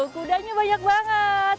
wow kudanya banyak banget